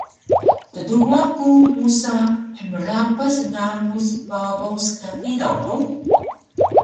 Tduwa ku musa hmrapas nganguc babaw ska hidaw hug?